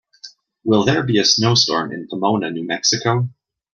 Will there be a snowstorm in Pomona, New Mexico?